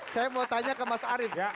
saya mau tanya ke mas arief ya